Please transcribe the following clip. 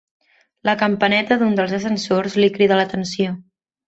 La campaneta d'un dels ascensors li crida l'atenció.